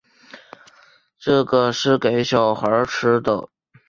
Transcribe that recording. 这个是给小孩吃的